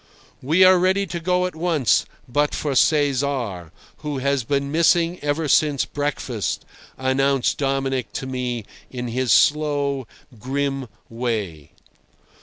"We are ready to go at once, but for Cesar, who has been missing ever since breakfast," announced Dominic to me in his slow, grim way.